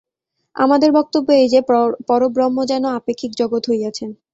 আমাদের বক্তব্য এই যে, পরব্রহ্ম যেন আপেক্ষিক জগৎ হইয়াছেন।